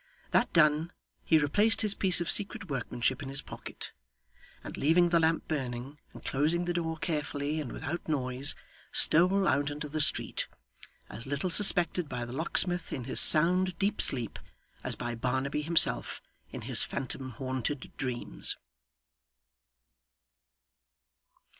That done, he replaced his piece of secret workmanship in his pocket; and leaving the lamp burning, and closing the door carefully and without noise, stole out into the street as little suspected by the locksmith in his sound deep sleep, as by Barnaby himself in his phantom haunted dreams.